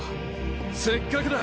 せっかくだ！